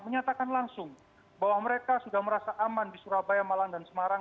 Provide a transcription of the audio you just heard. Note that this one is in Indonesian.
menyatakan langsung bahwa mereka sudah merasa aman di surabaya malang dan semarang